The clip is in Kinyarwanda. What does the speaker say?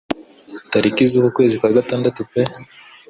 Tariki z'uku kwezi kwa gatandatu pe